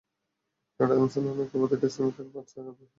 ঘটনাস্থলেই অনেককে প্রতিটি সিম কার্ড পাঁচ টাকায় বিক্রি করতে দেখা গেছে।